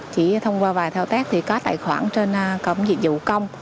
chỉ thông qua vài thao tác thì có tài khoản trên cổng dịch vụ công